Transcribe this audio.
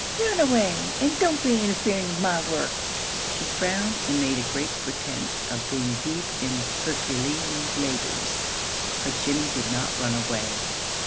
Run away, and don't be interferin' with my work." She frowned and made a grand pretence of being deep in herculean labors; but Jimmie did not run away.